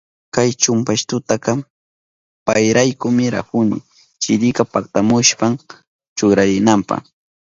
Kay chumpastutaka payraykumi rurahuni, chirika paktashpan churarinanpa.